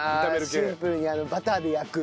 シンプルにバターで焼く。